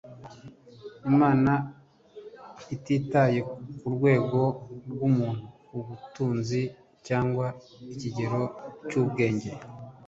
Imana ititaye ku rwego rw'umuntu, ku butunzi cyangwa ikigero cy'ubwenge,